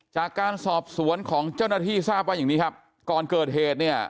จากการสอบสวนของเจ้าหน้าที่ทราบว่าอย่างนี้ครับก่อนเกิดเหตุเนี่ย